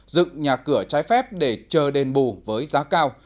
dựng nhà cửa trái phép để chờ đền bù với giá cao